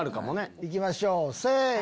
行きましょうせの！